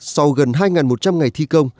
sau gần hai một trăm linh ngày thi công